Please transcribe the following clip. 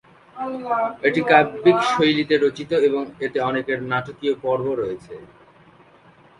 এটি কাব্যিক শৈলীতে রচিত এবং এতে অনেক নাটকীয় পর্ব রয়েছে।